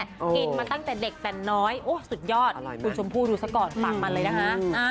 กินมาตั้งแต่เด็กแต่น้อยโอ้สุดยอดคุณชมพู่ดูซะก่อนฟังมันเลยนะคะ